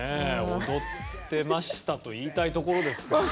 「踊ってました」と言いたいところですけどね。